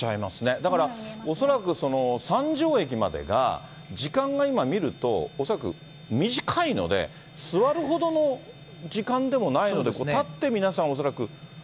だから、恐らく駅までが時間が今見ると、恐らく短いので、座るほどの時間でもないので、立って皆さん、恐らく。